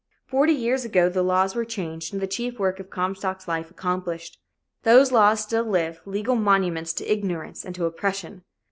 Forty years ago the laws were changed and the chief work of Comstock's life accomplished. Those laws still live, legal monuments to ignorance and to oppression.